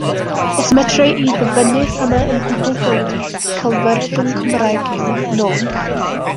Os medra i ddyfynnu rhannau yn gwbl gywir, cael fersiwn Cymraeg yw'r nod.